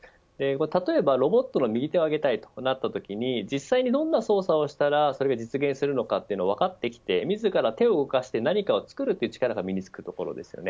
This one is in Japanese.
例えばロボットの右手を上げたいとなった瞬間にどんな操作をしたら実現するのかというのが分かってきて自ら手を動かして何かを作るという力が身につきます。